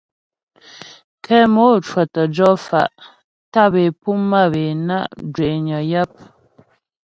Kɛ mò cwə̌tə jɔ fa' tâp é puá mâp é na' zhwényə yap.